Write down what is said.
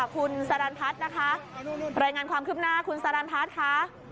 คุณสรรพัฒน์นะคะรายงานความคืบหน้าคุณสรรพัฒน์ค่ะ